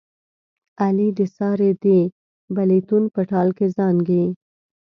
علي د سارې د بلېتون په ټال کې زانګي.